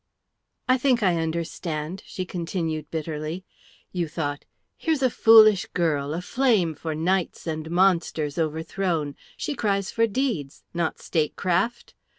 "I think I understand," she continued bitterly; "you thought, here's a foolish girl, aflame for knights and monsters overthrown. She cries for deeds, not statecraft.